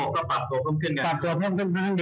ก็ปรับตัวเพิ่มขึ้นกัน